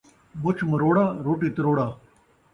مُچھ مروڑا ، روٹی تروڑا